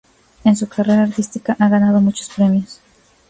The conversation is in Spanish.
En su carrera artística ha ganado muchos premios.